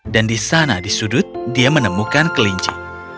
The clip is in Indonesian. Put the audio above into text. dan di sana di sudut dia menemukan kelinci